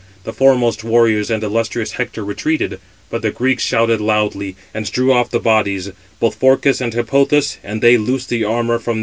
The foremost warriors and illustrious Hector retreated; but the Greeks shouted loudly, and drew off the bodies, both Phorcys and Hippothous, and they loosed the armour from their shoulders.